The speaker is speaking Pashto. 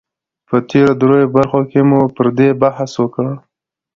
په تېرو دريو برخو کې مو پر دې بحث وکړ